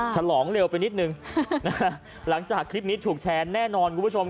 ฉลองเร็วไปนิดนึงหลังจากคลิปนี้ถูกแชร์แน่นอนคุณผู้ชม